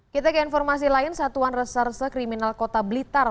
kita ke informasi lain satuan reserse kriminal kota blitar